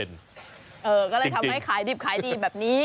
ก็เลยทำให้ขายดิบขายดีแบบนี้